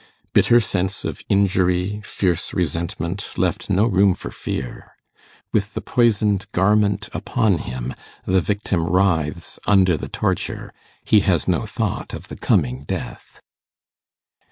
Bitter sense of injury, fierce resentment, left no room for fear. With the poisoned garment upon him, the victim writhes under the torture he has no thought of the coming death.